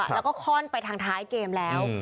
แล้วก็ค่อนไปทางท้ายเกมแล้ว